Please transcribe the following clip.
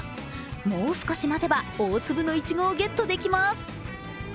もう少し待てば大粒のいちごをゲットできます。